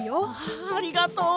ありがとう！